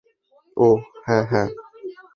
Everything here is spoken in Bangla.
ওহ, হ্যাঁ, হ্যাঁ।